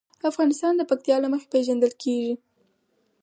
افغانستان د پکتیا له مخې پېژندل کېږي.